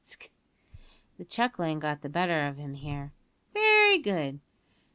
sk!" (the chuckling got the better of him here) "very good.